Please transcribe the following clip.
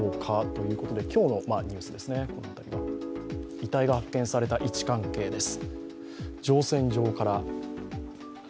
遺体が発見された位置関係です。